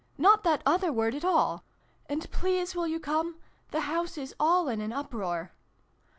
" Not that other word at all. And please will you come ? The house is all in an uproar."